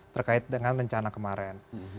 terkait dengan rencana kemarin